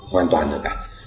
hoàn toàn được cả